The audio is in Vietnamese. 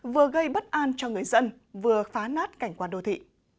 vừa gây bất an cho người dân vừa phá nát cảnh quan đô thị